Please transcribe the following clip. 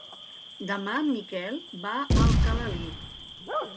Demà en Miquel va a Alcalalí.